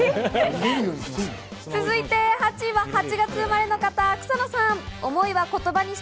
続いて８位は８月生まれの方、草野さん。